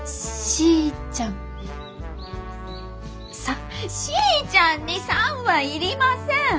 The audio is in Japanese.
しーちゃんに「さん」は要りません！